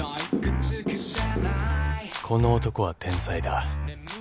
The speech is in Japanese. ［この男は天才だ］